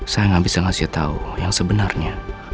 saya nggak bisa ngasih tahu yang sebenarnya